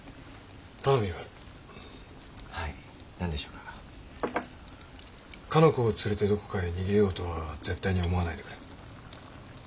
かの子を連れてどこかへ逃げようとは絶対に思わないでくれ。